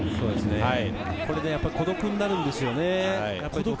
これで孤独になるんですよね。